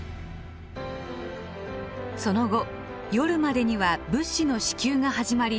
その後夜までには物資の支給が始まり